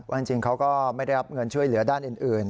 จริงเขาก็ไม่ได้รับเงินช่วยเหลือด้านอื่น